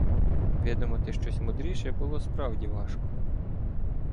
Видумати щось мудріше було справді важко.